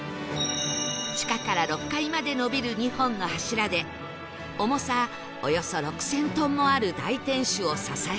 地下から６階まで伸びる２本の柱で重さおよそ６０００トンもある大天守を支えています